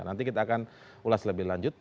nanti kita akan ulas lebih lanjut